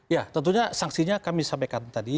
ya tentunya sanksinya kami sampaikan tadi